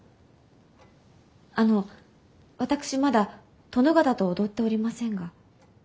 あの私まだ殿方と踊っておりませんが。